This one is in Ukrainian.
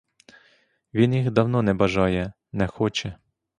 Він їх давно не бажає, не хоче.